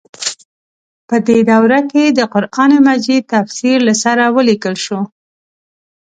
په دې دوره کې د قران مجید تفسیر له سره ولیکل شو.